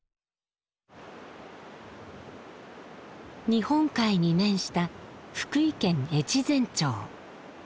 日本海に面した福井県・越前町。